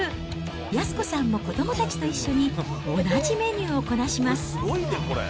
安子さんも子どもたちと一緒に、同じメニューをこなします。